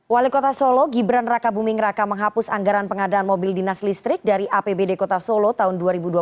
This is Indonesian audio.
wali kota solo gibran raka buming raka menghapus anggaran pengadaan mobil dinas listrik dari apbd kota solo tahun dua ribu dua puluh